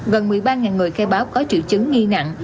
gần một mươi ba người khai báo có triệu chứng nghi nặng